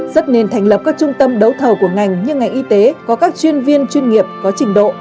rất nên thành lập các trung tâm đấu thầu của ngành như ngành y tế có các chuyên viên chuyên nghiệp có trình độ